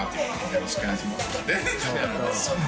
よろしくお願いしますって